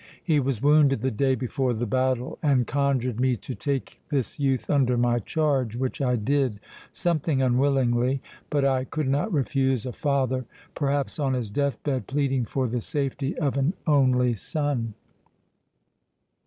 He was wounded the day before the battle, and conjured me to take this youth under my charge, which I did, something unwillingly; but I could not refuse a father, perhaps on his death bed, pleading for the safety of an only son."